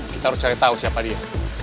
kita harus cari tahu siapa dia